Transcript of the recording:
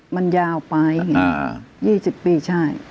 มันยาวไป๒๐ปีใช่